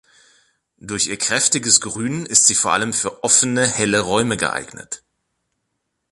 Durch ihr kräftiges Grün ist sie vor allem für offene, helle Räume geeignet.